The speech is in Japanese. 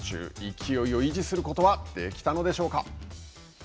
勢いを維持することはできたのでしょうか。